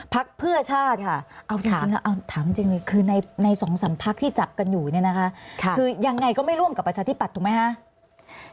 พักเพื่อชาติค่ะถามจริงคือใน๒สันพักที่จับกันอยู่นะคะคือยังไงก็คงไม่ร่วมกับประชาธิบัติถูกไหมคะ